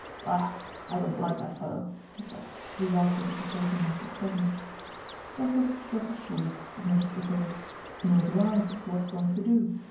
"Ugh! I don't like that fellow," he said, regardless of the quartermaster's presence. Rostóv shrugged his shoulders as much as to say: "Nor do I, but what's one to do?"